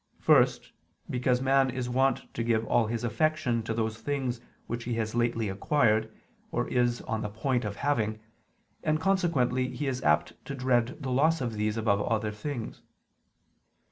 First, because man is wont to give all his affection to those things which he has lately acquired, or is on the point of having, and consequently he is apt to dread the loss of these above other things.